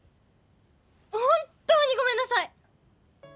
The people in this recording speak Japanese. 本当にごめんなさい！